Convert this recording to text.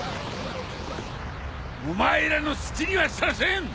お前らの好きにはさせん！